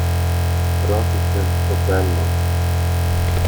ρώτησε στο τέλος.